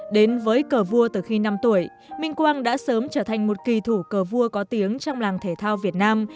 đến với cờ vua từ khi năm tuổi minh quang đã sớm trở thành một kỳ thủ cờ vua có tiếng trong làng thể thao việt nam